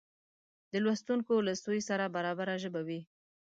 د لوستونکې له سویې سره برابره ژبه وي